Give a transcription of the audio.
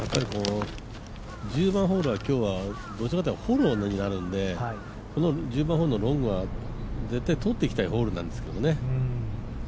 １０番ホールはどっちかっていうとフォローになるので、１０番ホールのロングは絶対とっていきたいホールなんですけどね。